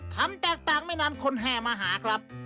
คำแตกต่างไม่นานคนแห่มาหาครับ